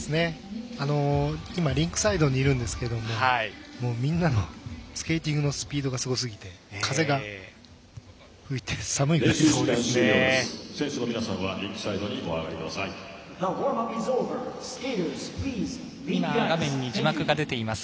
今、リンクサイドにいるんですけれどもみんなのスケーティングのスピードがすごすぎて風が吹いて寒いぐらいです。